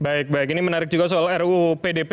baik baik ini menarik juga soal ruu pdp